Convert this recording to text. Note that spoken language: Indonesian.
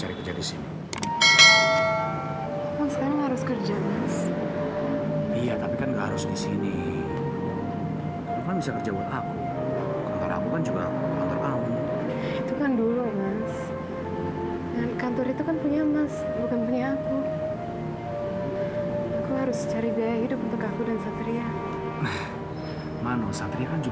yang bebasin kamu mas riko